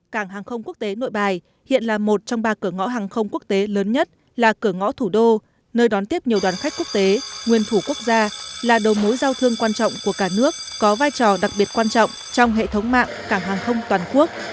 cảng hàng không quốc tế nội bài hiện là một trong ba cửa ngõ hàng không quốc tế lớn nhất là cửa ngõ thủ đô nơi đón tiếp nhiều đoàn khách quốc tế nguyên thủ quốc gia là đầu mối giao thương quan trọng của cả nước có vai trò đặc biệt quan trọng trong hệ thống mạng cảng hàng không toàn quốc